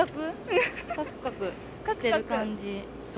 カクカクしてる感じ。